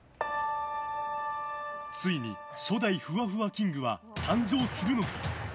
ついに初代ふわふわキングは誕生するのか？